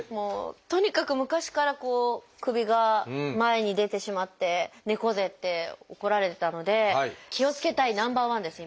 とにかく昔からこう首が前に出てしまって猫背って怒られてたので気をつけたいナンバーワンです今。